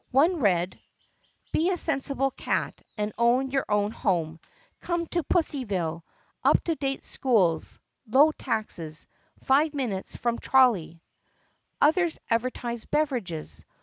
One read : BE A SENSIBLE CAT AND OWN YOUR OWN HOME COME TO PUSSYVILLE! UP TO DATE SCHOOLS LOW TAXES FIVE MINUTES FROM TROLLEY Others advertised beverages.